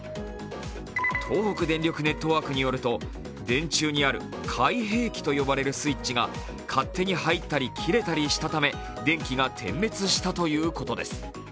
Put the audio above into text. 東北電力ネットワークによると電柱にある開閉器と呼ばれるスイッチが勝手に入ったり切れたりしたため、電気が点滅したということです。